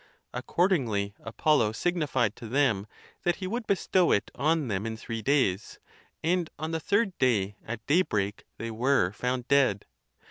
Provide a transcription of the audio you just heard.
Accordingly, Apollo signified to them that he would bestow it on them in three days, and on the third day at daybreak they were found dead.